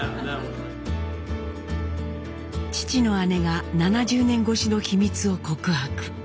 父の姉が７０年ごしの秘密を告白。